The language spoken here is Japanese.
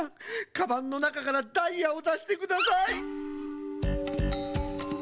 カバンのなかからダイヤをだしてください！